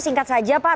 singkat saja pak